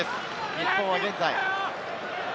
日本は現在。